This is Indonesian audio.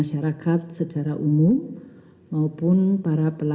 rimas kerampasan agar dibawa awal dan retardir